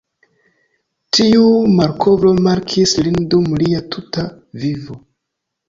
Tiu malkovro markis lin dum lia tuta vivo.